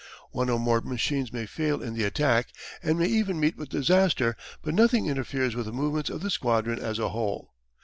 One or more machines may fail in the attack, and may even meet with disaster, but nothing interferes with the movements of the squadron as a whole.